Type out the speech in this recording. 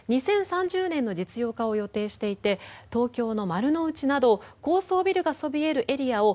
２０３０年の実用化を予定していて東京の丸の内など高層ビルがそびえるエリアを